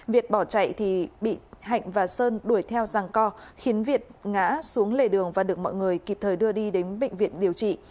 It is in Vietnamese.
việt bỏ chạy thì bị hạnh và sơn đuổi theo rằng co khiến việt ngã xuống lề đường và được mọi người kịp thời đưa đi đến bệnh viện điều trị